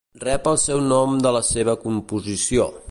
Rep el seu nom de la seva composició.